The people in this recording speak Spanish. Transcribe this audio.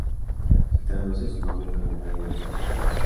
Se traduce su nombre como "valle de los osos".